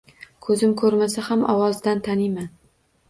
Koʻzim koʻrmasa ham ovozidan taniyman